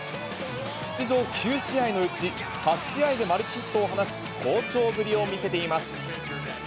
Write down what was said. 出場９試合のうち、８試合でマルチヒットを放つ好調ぶりを見せています。